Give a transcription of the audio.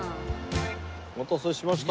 お待たせしました。